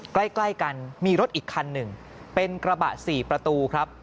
ใกล้กันมีรถอีกคันหนึ่งเป็นกระบะ๔ประตูครับ